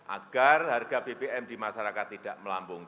agar harga bbm di masyarakat tidak terlalu jauh